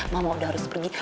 mama udah harus pergi